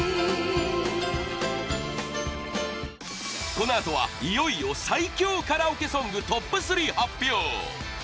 このあとは、いよいよ最強カラオケソングトップ３発表！